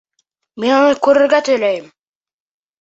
Мин уны күрергә теләйем!